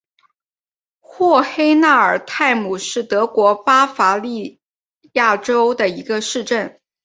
霍黑纳尔泰姆是德国巴伐利亚州的一个市镇。